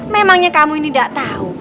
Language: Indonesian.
memangnya kamu ini gak tau